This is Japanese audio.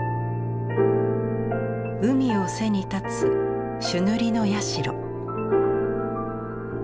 海を背に立つ朱塗りの社。